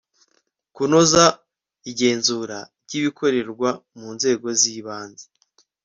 kunoza igenzura ry'ibikorerwa mu nzego z'ibanze